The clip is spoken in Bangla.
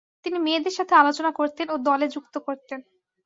তিনি মেয়েদের সাথে আলোচনা করতেন ও দলে যুক্ত করতেন।